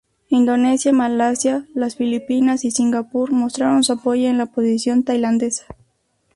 Indonesia, Malasia, las Filipinas y Singapur mostraron su apoyo a la posición tailandesa.